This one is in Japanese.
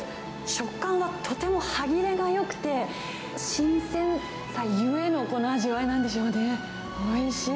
食感は、とても歯切れがよくて、新鮮さゆえのこの味わいなんでしょうね。